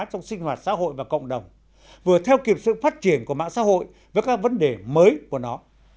trong sinh hoạt xã hội và cộng đồng vừa theo kịp sự phát triển của mạng xã hội với các vấn đề mới của nó